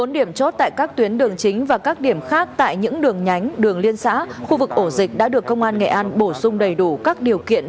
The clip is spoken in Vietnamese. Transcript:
bốn điểm chốt tại các tuyến đường chính và các điểm khác tại những đường nhánh đường liên xã khu vực ổ dịch đã được công an nghệ an bổ sung đầy đủ các điều kiện